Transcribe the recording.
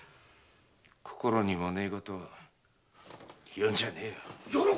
心にもないことを言うんじゃねえよ。